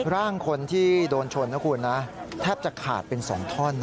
ร่างคนที่โดนชนนะคุณนะแทบจะขาดเป็น๒ท่อนนะ